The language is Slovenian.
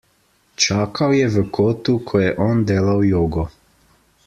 Čakal je v kotu, ko je on delal jogo.